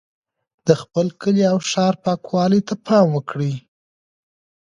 د خپل کلي او ښار پاکوالي ته پام وکړئ.